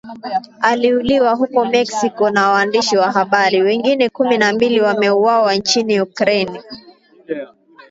aliuliwa huko Mexico na waandishi wa habari wengine kumi na mbili wameuawa nchini Ukraine